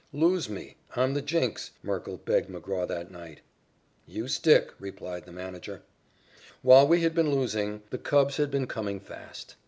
"Lose me. I'm the jinx," Merkle begged McGraw that night. "You stick," replied the manager. While we had been losing, the Cubs had been coming fast.